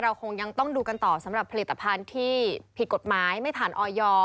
คงยังต้องดูกันต่อสำหรับผลิตภัณฑ์ที่ผิดกฎหมายไม่ผ่านออย